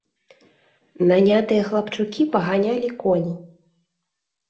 Нанятыя хлапчукі паганялі коні.